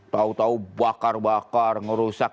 tahu tahu bakar bakar ngerusak